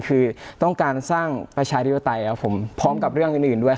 คือต้องการสร้างประชาโลยไตพร้อมกับเรื่องอื่นด้วยค่ะ